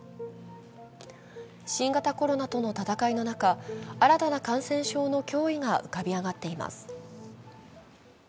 新型コロナとの闘いの中、新たな感染症の脅威が浮かび上がっています。